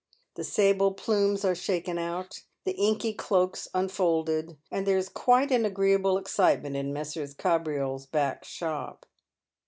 The sable plumes are shaken out, the inky cloaks unfolded, and there is quite an agreeable excitement in Messrs. Kabriole's back shop.